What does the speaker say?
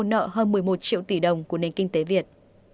nợ hơn một mươi một triệu tỷ đồng của nền kinh tế việt